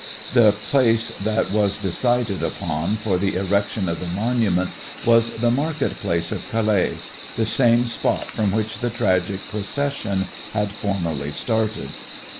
The place that was decided upon for the erection of the monument was the market place of Calais, the same spot from which the tragic procession had formerly started.